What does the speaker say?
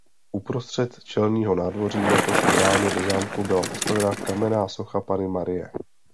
Uprostřed čelního nádvoří naproti bráně do zámku byla postavena kamenná socha Panny Marie.